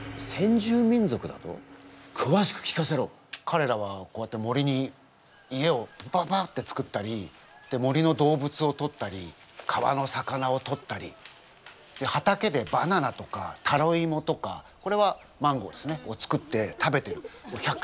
かれらはこうやって森に家をババッてつくったり森の動物をとったり川の魚をとったり畑でバナナとかタロイモとかこれはマンゴーですね。を作って食べてる。